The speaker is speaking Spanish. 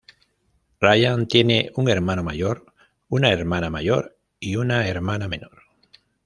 Ryan tiene un hermano mayor, una hermana mayor y una hermana menor.